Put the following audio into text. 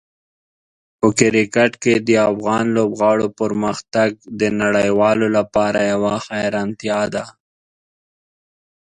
په کرکټ کې د افغان لوبغاړو پرمختګ د نړیوالو لپاره یوه حیرانتیا ده.